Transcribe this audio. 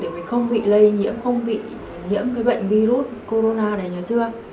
để mình không bị lây nhiễm không bị nhiễm cái bệnh virus corona đấy nhớ chưa